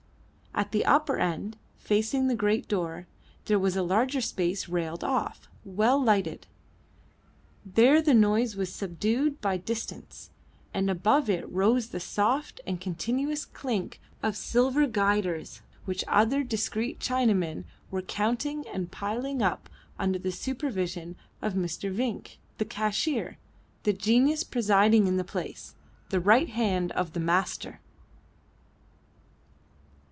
At the upper end, facing the great door, there was a larger space railed off, well lighted; there the noise was subdued by distance, and above it rose the soft and continuous clink of silver guilders which other discreet Chinamen were counting and piling up under the supervision of Mr. Vinck, the cashier, the genius presiding in the place the right hand of the Master.